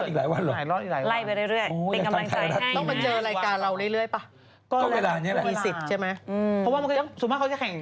มีหลายสายก็แบ่งมาเจอกัน